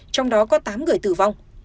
trong đó có tám người tử vong